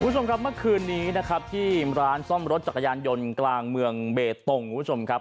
คุณผู้ชมครับเมื่อคืนนี้นะครับที่ร้านซ่อมรถจักรยานยนต์กลางเมืองเบตงคุณผู้ชมครับ